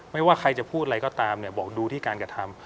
ไม่ว่าใครจะพูดอะไรก็ตามบอกดูที่การกระทำ